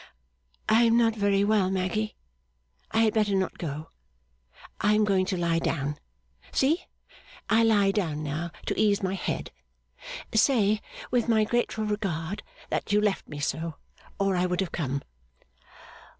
'I am not very well, Maggy. I had better not go. I am going to lie down. See! I lie down now, to ease my head. Say, with my grateful regard, that you left me so, or I would have come.